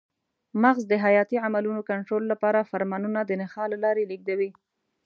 مغز د حیاتي عملونو کنټرول لپاره فرمانونه د نخاع له لارې لېږدوي.